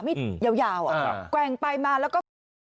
มีดยาวอ่ะแกว่งไปมาแล้วก็